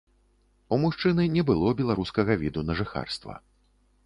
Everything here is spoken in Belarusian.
У мужчыны не было беларускага віду на жыхарства.